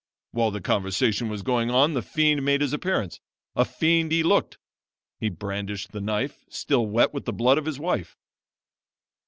While the conversation was going on the fiend made his appearance. A fiend he looked. He brandished the knife, still wet with the blood of his wife.